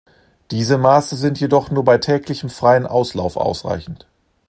Diese Maße sind jedoch nur bei täglichem freien Auslauf ausreichend.